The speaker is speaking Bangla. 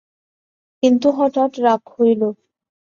কিন্তু হঠাৎ রাগ হইল।